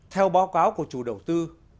theo báo cáo của chủ đầu tư